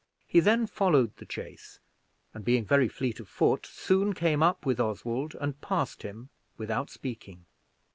He then followed the chase, and, being very fleet of foot, soon came up with Oswald, and passed him without speaking.